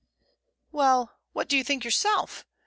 "Well, what do you think yourself?